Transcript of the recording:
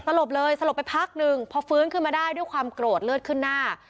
ลบเลยสลบไปพักนึงพอฟื้นขึ้นมาได้ด้วยความโกรธเลือดขึ้นหน้า